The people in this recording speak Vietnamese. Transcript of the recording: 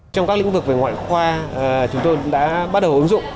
trong các lĩnh vực về ngoại khoa chúng tôi đã bắt đầu ứng dụng